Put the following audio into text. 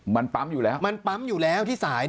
มันปั๊มอยู่แล้ว